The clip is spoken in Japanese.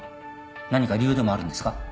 何か理由でもあるんですか。